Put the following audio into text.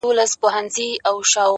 ځوان ناست دی’